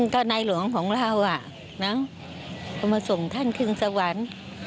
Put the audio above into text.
ก็นายหลวงของเรามาส่งท่านถึงสวรรค์